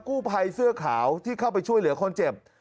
กู้ภัยเสื้อขาวที่เข้าไปช่วยเหลือคนเจ็บ